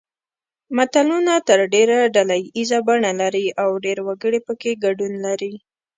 متلونه تر ډېره ډله ییزه بڼه لري او ډېر وګړي پکې ګډون لري